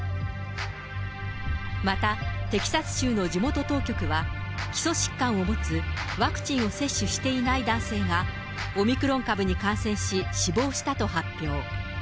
また、テキサス州の地元当局は、基礎疾患を持つ、ワクチンを接種していない男性がオミクロン株に感染し、死亡したと発表。